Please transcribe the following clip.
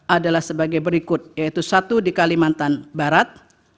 adalah sebagai berikut yaitu satu di kalimantan barat